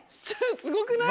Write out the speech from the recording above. すごくない？